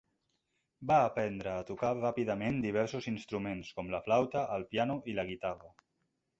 Va aprendre a tocar ràpidament diversos instruments, com la flauta, el piano i la guitarra.